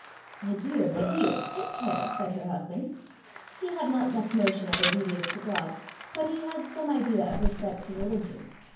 "My dear! my dear! take care," said her husband. He had not much notion of obedience to God, but he had some idea of respect to religion.